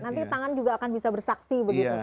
nanti tangan juga akan bisa bersaksi begitu